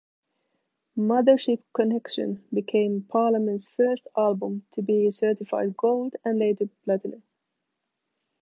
"Mothership Connection" became Parliament's first album to be certified gold and later platinum.